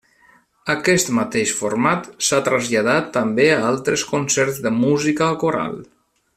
Aquest mateix format s'ha traslladat també a altres concerts de música coral.